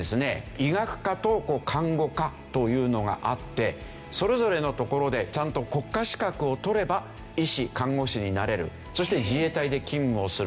医学科と看護科というのがあってそれぞれのところでちゃんと国家資格を取れば医師看護師になれるそして自衛隊で勤務をする。